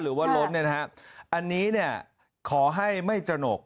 หรือว่าล้นเนี่ยอันนี้ขอให้ไม่จนก